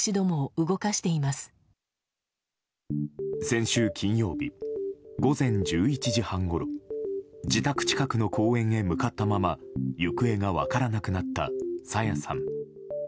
先週金曜日、午前１１時半ごろ自宅近くの公園へ向かったまま行方が分からなくなった朝芽さん。